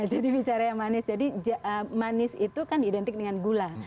jadi bicara yang manis jadi manis itu kan identik dengan gula